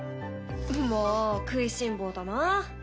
もう食いしん坊だな。